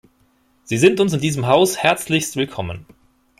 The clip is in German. Sie sind uns in diesem Haus herzlichst willkommen.